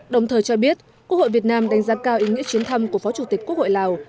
đồng thời cho biết quốc hội việt nam đánh giá cao ý nghĩa chuyến thăm của phó chủ tịch quốc hội lào